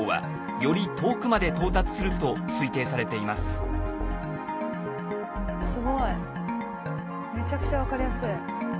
めちゃくちゃ分かりやすい。